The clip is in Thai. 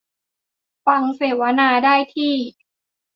ฟังเสวนาได้ที่